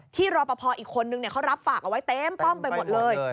รอปภอีกคนนึงเขารับฝากเอาไว้เต็มป้อมไปหมดเลย